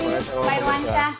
pak ramli pak irwan shah